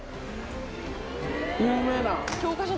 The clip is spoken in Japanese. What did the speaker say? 有名な。